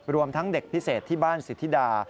ทั้งเด็กพิเศษที่บ้านสิทธิดา